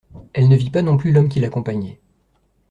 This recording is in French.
Elle ne vit pas non plus l’homme qui l’accompagnait